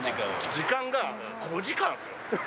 時間が５時間ですよ。